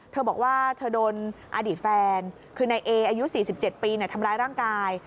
เธอบอกว่าเธอโดนอดีตแฟนคือนายเออายุ๔๗ปีทำร้ายร่างกาย